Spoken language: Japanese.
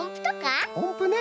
おんぷね。